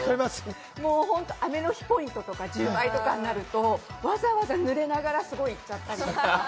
雨の日ポイントとか１０倍とかなると、わざわざ濡れながら行っちゃったりとか。